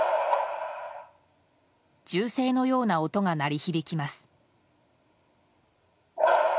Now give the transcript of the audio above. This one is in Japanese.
銃声のような音が鳴り響きます。